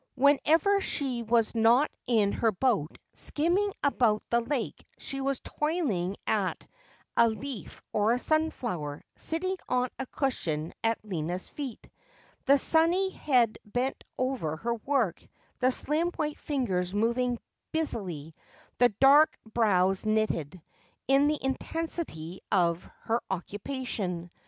Whenever she was not in her boat, skimming about the lake, she was toiling at a leaf or a sunflower, sitting on a cushion at Lina's feet, the sunny head bent over her work, the slim white fingers moving busily, the dark brows knitted, in the intensity of her occupation.